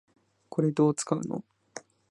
これ、どう使うの？